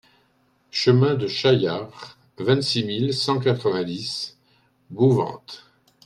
Chemin de Chaillard, vingt-six mille cent quatre-vingt-dix Bouvante